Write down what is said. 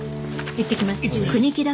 いってきます。